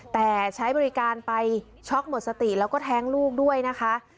แต่ใช้บริการไปช็อกหมดสติแล้วก็แท้งลูกด้วยนะคะ